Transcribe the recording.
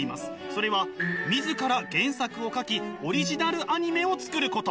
それは自ら原作を書きオリジナルアニメを作ること。